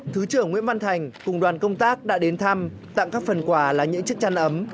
thứ trưởng nguyễn văn thành cùng đoàn công tác đã đến thăm tặng các phần quà là những chiếc chăn ấm